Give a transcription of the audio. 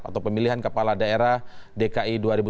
atau pemilihan kepala daerah dki dua ribu tujuh belas